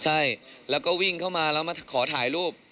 ใช่แล้วก็วิ่งเข้ามาแล้วมาขอถ่ายรูป